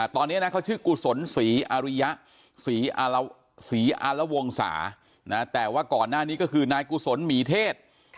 ตอนนี้นะเขาชื่อกุศลศรีอาริยะศรีอารวงศาแต่ว่าก่อนหน้านี้ก็คือนายกุศลหมีเทศ